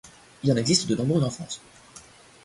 Il en existe de nombreuses en France.